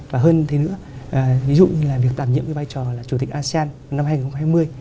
và hơn thế nữa ví dụ như là việc đảm nhiệm cái vai trò là chủ tịch asean năm hai nghìn hai mươi